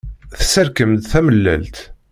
Tesserkem-d tamellalt.